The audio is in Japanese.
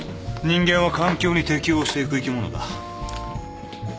人間は環境に適応していく生き物だ。